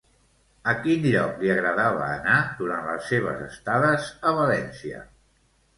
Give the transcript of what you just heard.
A quin lloc li agradava anar durant les seves estades a València?